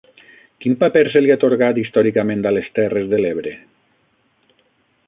Quin paper se li ha atorgat històricament a les Terres de l'Ebre?